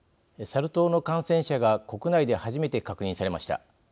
サル痘の感染者が国内で初めて確認されました。